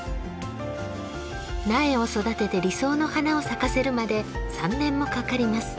苗を育てて理想の花を咲かせるまで３年もかかります。